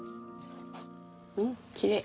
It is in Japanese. うんきれい。